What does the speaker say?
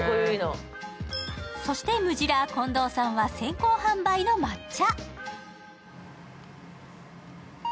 そして、ムジラー近藤さんは先行販売の抹茶。